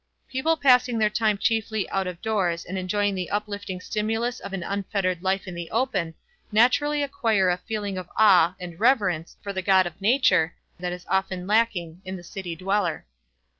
People passing their time chiefly out of doors and enjoying the uplifting stimulus of an unfettered life in the open naturally acquire a feeling of awe and reverence for the God of nature that is often lacking in the city dweller.